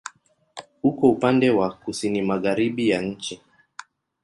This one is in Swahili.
Uko upande wa kusini-magharibi ya nchi.